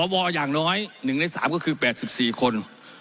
อย่างน้อย๑ใน๓ก็คือ๘๔คน